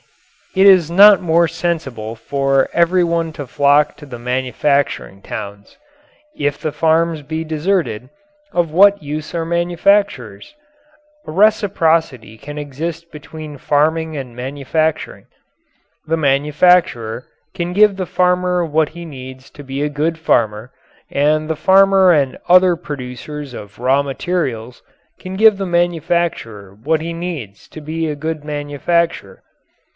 It is not more sensible for everyone to flock to the manufacturing towns. If the farms be deserted, of what use are manufacturers? A reciprocity can exist between farming and manufacturing. The manufacturer can give the farmer what he needs to be a good farmer, and the farmer and other producers of raw materials can give the manufacturer what he needs to be a good manufacturer.